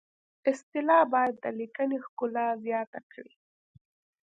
اصطلاح باید د لیکنې ښکلا زیاته کړي